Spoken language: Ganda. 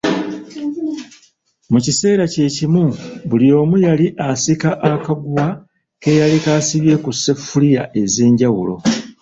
Mu kiseera kye kimu buli omu yali asika akaguwa ke yaleka asibye ku sseffuliya ez'enjawulo.